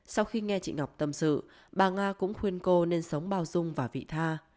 sau khi nghe chị ngọc tâm sự bà nga cũng khuyên cô nên sống bao dung và vị tha